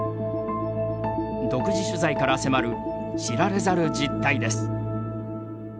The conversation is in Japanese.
独自取材から迫る知られざる実態です。